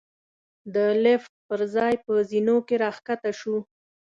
د لېفټ پر ځای په زېنو کې را کښته شوو.